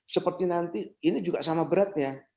seperti nanti ini juga sama beratnya